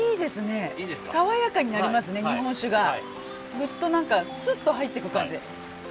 あっ何かすっと入っていく感じ。